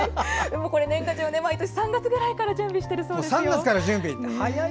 年賀状は毎年３月ぐらいから準備しているそうですよ。